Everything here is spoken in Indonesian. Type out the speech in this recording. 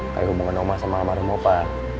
kayak hubungan oma sama lama remopa